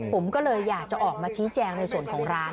ผมก็เลยอยากจะออกมาชี้แจงในส่วนของร้าน